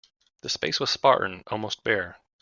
The space was spartan, almost bare.